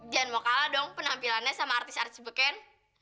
jangan mau kalah dong penampilannya sama artis artis beken